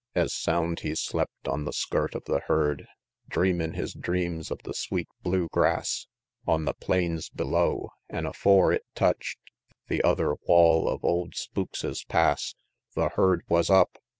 Es sound he slept on the skirt of the herd, Dreamin' his dreams of the sweet blue grass On the plains below; an' afore it touched The other wall of "Old Spookses' Pass" The herd wus up!